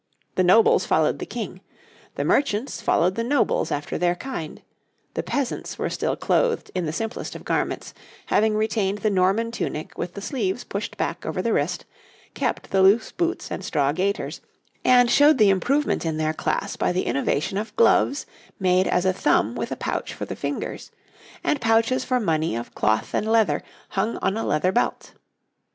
The nobles followed the King; the merchants followed the nobles after their kind; the peasants were still clothed in the simplest of garments, having retained the Norman tunic with the sleeves pushed back over the wrist, kept the loose boots and straw gaiters, and showed the improvement in their class by the innovation of gloves made as a thumb with a pouch for the fingers, and pouches for money of cloth and leather hung on a leather belt.